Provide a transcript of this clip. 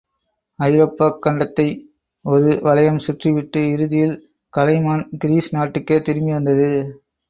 ஐரோப்பாக் கண்டத்தை ஒரு வளையம் சுற்றிவிட்டு, இறுதியில் கலைமான் கிரீஸ் நாட்டுக்கே திரும்பி வந்தது.